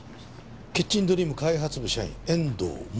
キッチンドリーム開発部社員遠藤桃花。